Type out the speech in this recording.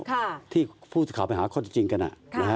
ค่ะที่ผู้ข่าวไปหาข้อจริงกันอ่ะค่ะ